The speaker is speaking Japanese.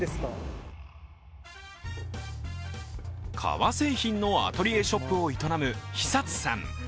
革製品のアトリエショップを営む久津さん。